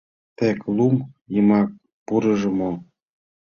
— Тек лум йымак пурыжо мо?